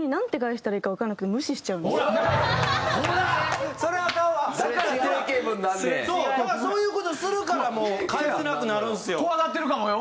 だからそういう事をするからもう返せなくなるんですよ。